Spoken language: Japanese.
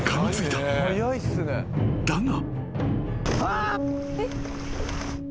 ［だが］